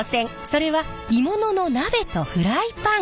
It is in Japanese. それは鋳物の鍋とフライパン！